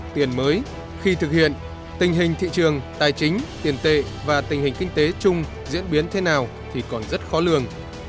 tiền mới khi thực hiện tình hình thị trường tài chính tiền tệ và tình hình kinh tế chung diễn biến thế nào thì còn rất khó lường